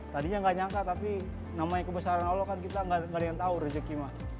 tadinya nggak nyangka tapi namanya kebesaran allah kan kita gak ada yang tahu rezeki mah